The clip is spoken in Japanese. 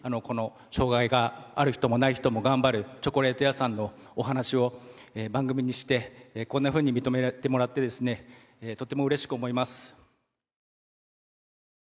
この障害がある人もない人も頑張るチョコレート屋さんのお話を番組にしてこんなふうに認めてもらってですねとてもうれしく思います。